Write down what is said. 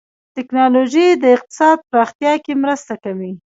ټکنالوجي د اقتصاد پراختیا کې مرسته کوي.